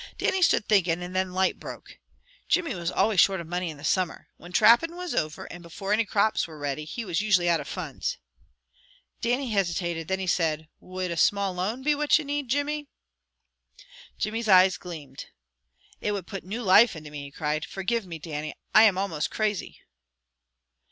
Dannie stood thinking, and then light broke. Jimmy was always short of money in summer. When trapping was over, and before any crops were ready, he was usually out of funds. Dannie hesitated, and then he said, "Would a small loan be what ye need, Jimmy?" Jimmy's eyes gleamed. "It would put new life into me," he cried. "Forgive me, Dannie. I am almost crazy."